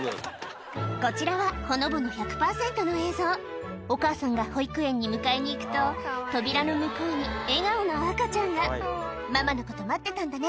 こちらはほのぼの１００％の映像お母さんが保育園に迎えに行くと扉の向こうに笑顔の赤ちゃんがママのこと待ってたんだね